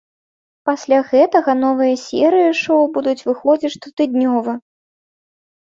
Пасля гэтага новыя серыі шоу будуць выходзіць штотыднёва.